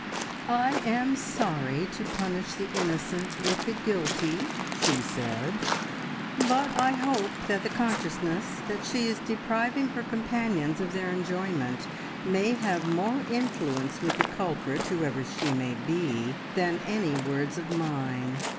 "I am sorry to punish the innocent with the guilty," she said, "but I hope that the consciousness that she is depriving her companions of their enjoyment may have more influence with the culprit, whoever she may be, than any words of mine.